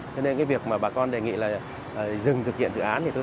cho nên cái việc mà bà con đề nghị là dừng thực hiện dự án thì thôi